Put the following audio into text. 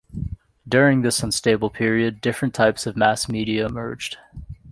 During this unstable period, different types of mass media emerged.